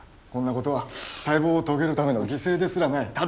こんなことは大望を遂げるための犠牲ですらない。